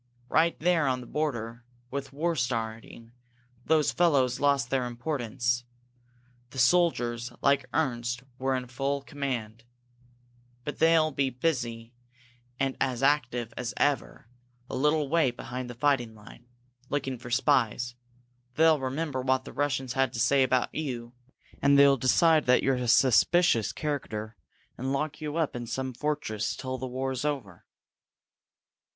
Right there on the border, with war starting, those fellows lost their importance. The soldiers, like Ernst, were in full command. But they'll be as busy and as active as ever a little way behind the fighting line, looking for spies. They'll remember what the Russians had to say about you, and they'll decide that you're a suspicious character, and lock you up in some fortress till the war's over!"